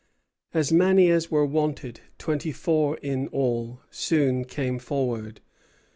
As many as were wanted twenty four in all soon came forward.